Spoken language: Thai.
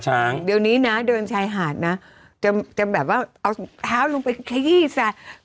ใช้เวลานี้นะเดินชายหาดนะจะแบบว่าออกด้วย